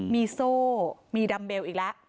มีโซ่มีดัมเบลอีกแล้ว